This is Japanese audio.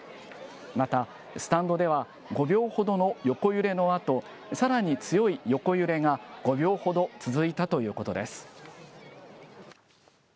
また、スタンドでは５秒ほどの横揺れのあと、さらに強い横揺れが５秒ほど続いたということです。